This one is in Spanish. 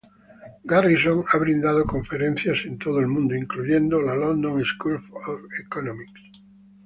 Garrison ha brindado conferencias en todo el mundo, incluyendo la London School of Economics.